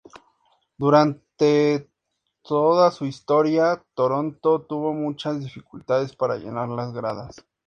Durante toda su historia, Toronto tuvo muchas dificultades para llenar las gradas.